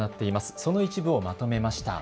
その一部をまとめました。